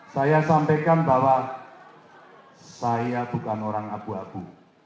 saya sampaikan bahwa saya bukan orang abu abu